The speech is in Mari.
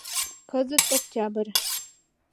Кызыт октябрь.